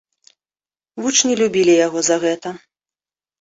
Вучні любілі яго за гэта.